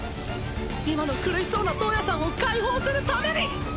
今の苦しそうなトウヤさんを解放するために！